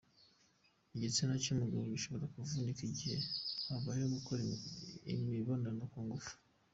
Igitsina cy’umugabo gishobora kuvunika igihe habayeho gukora imibonano ku ngufu.